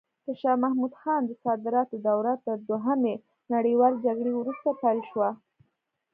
د شاه محمود خان د صدارت دوره تر دوهمې نړیوالې جګړې وروسته پیل شوه.